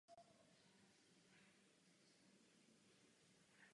S vypuknutím ruské revoluce se kavkazská fronta začala hroutit.